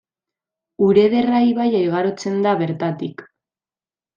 Urederra ibaia igarotzen da bertatik.